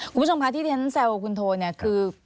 คุณผู้ชมพาที่เท้นแซวคุณโทนเนี่ย